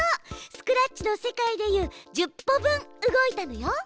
スクラッチの世界でいう１０歩分動いたのよ。